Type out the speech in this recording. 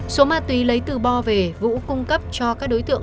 số ma túy lấy từ bo về vũ cung cấp cho các đối tượng